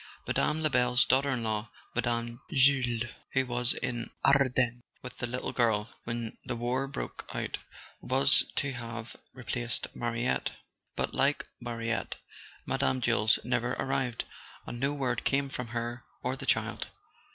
Mme. Lebel's daughter in law, Mme. Jules, who was in the Ardennes with the little girl when the war broke out, was to have replaced Mariette. But, like Mariette, Mme. Jules never arrived, and no word came from her or the child.